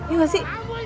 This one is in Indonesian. iya gak sih